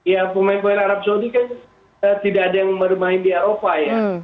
ya pemain pemain arab saudi kan tidak ada yang bermain di eropa ya